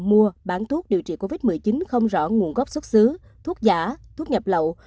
mua bán thuốc điều trị covid một mươi chín không rõ nguồn gốc xuất xứ thuốc giả thuốc nhập lậu